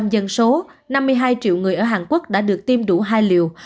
tám mươi sáu dân số năm mươi hai triệu người ở hàn quốc đã được tiêm đủ hai liều